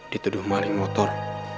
dituduh maling motor